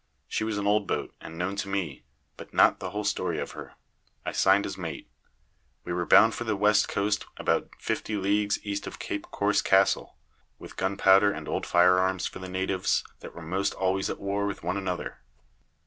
She was an old boat, and known to me, but not the whole story of her. I signed as mate. We were bound for the W. Coast, about 50 leagues E. of Cape Corse Castle, with gunpowder and old firearms for the natives, that were most always at war with one another.